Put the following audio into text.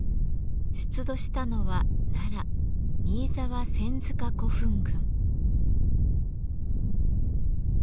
出土したのは奈良新沢千塚古墳群。